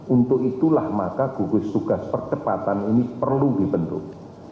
untuk itulah maka gugus tugas percepatan ini perlu dibentuk